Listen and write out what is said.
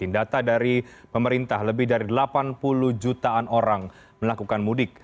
data dari pemerintah lebih dari delapan puluh jutaan orang melakukan mudik